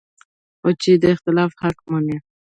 خو چې د اختلاف حق مني